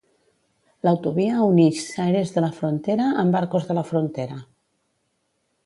L'autovia unix Xerés de la Frontera amb Arcos de la Frontera.